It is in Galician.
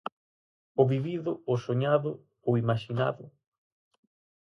O vivido, o soñado, o imaxinado?